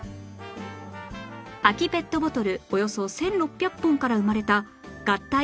空きペットボトルおよそ１６００本から生まれた「合体！